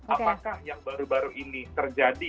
apakah yang baru baru ini terjadi